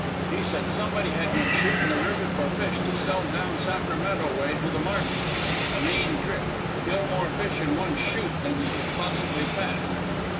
He said somebody had been shooting the river for fish to sell down Sacramento way to the market. A mean trick; kill more fish in one shoot than you can possibly pack.